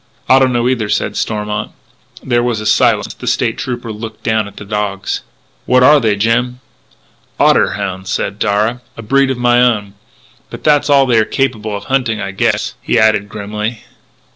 "I don't know either," said Stormont. There was a silence; the State Trooper looked down at the dogs: "What are they, Jim?" "Otter hounds," said Darragh, " a breed of my own.... But that's all they are capable of hunting, I guess," he added grimly.